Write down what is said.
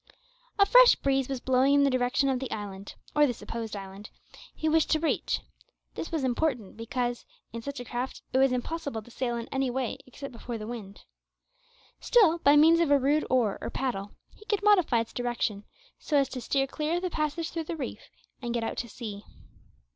A fresh breeze was blowing in the direction of the island or the supposed island he wished to reach. This was important, because, in such a craft, it was impossible to sail in any way except before the wind. Still, by means of a rude oar or paddle, he could modify its direction so as to steer clear of the passage through the reef and get out to sea.